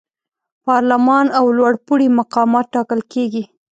پارلمان او لوړپوړي مقامات ټاکل کیږي.